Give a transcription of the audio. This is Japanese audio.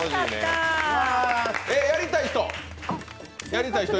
やりたい人！